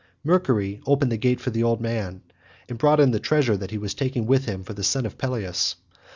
Mercury opened the gate for the old man, and brought in the treasure that he was taking with him for the son of Peleus.